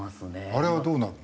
あれはどうなるの？